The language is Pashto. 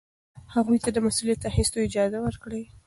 هغوی ته د مسؤلیت اخیستلو اجازه ورکړئ.